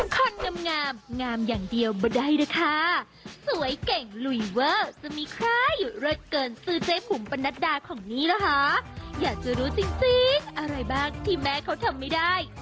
โปรดติดตามตอนต่อไป